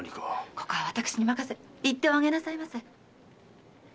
ここは私に任せて行っておあげなさいませ。